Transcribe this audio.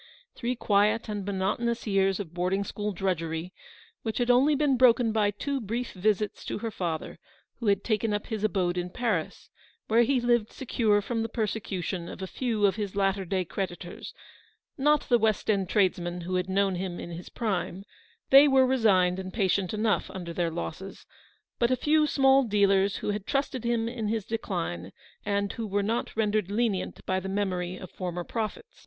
62 ELEANOR'S VICTORY. Three quiet and monotonous years of boarding school drudgery, which had only been broken by two brief visits to her father, who had taken up his abode in Paris; where he lived secure from the persecution of a few of his latter day creditors — not the west end tradesmen who had known him in his prime, they were resigned and patient enough under their losses — but a few small dealers who had trusted him in his decline, and who were not rendered lenient by the memory of former profits.